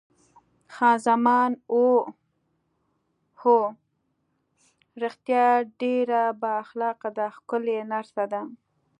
خان زمان: اوه هو، رښتیا ډېره با اخلاقه ده، ښکلې نرسه ده.